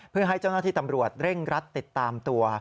เพื่อให้เจ้าหน้าที่ตำรวจเร่งรัดติดตามตัว